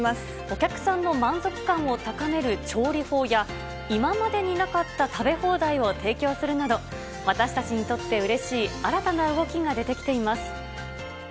お客さんの満足感を高める調理法や、今までになかった食べ放題を提供するなど、私たちにとってうれしい新たな動きが出てきています。